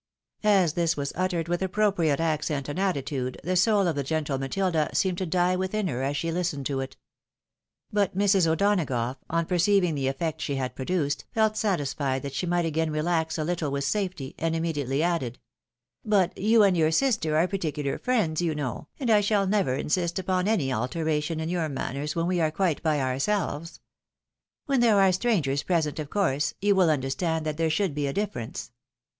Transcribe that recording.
As this was uttered with appropriate accent and attitude, the soul of the gentle Matilda seemed to die within her as she listened to it. But Mrs. O'Donagough, on perceiving the effect she had produced, felt satisfied that she might again relax a little with safety, and immediately added, " But you and your sister are particiilar friends, you know, and I shall never insist upon any alteration in your manners when we are quite by ourselves. When there are strangers present, of course, you will understand that there should be a difference."